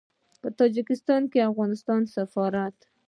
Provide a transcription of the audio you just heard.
په تاجکستان کې د افغانستان سفارت